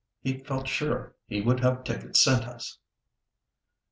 He felt sure we would have tickets sent us."